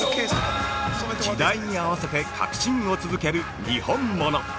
◆時代に合わせて革新を続けるにほんもの。